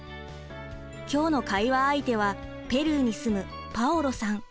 今日の会話相手はペルーに住むパオロさん。